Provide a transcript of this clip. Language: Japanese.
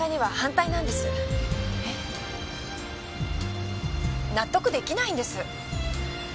えっ？納得出来ないんです。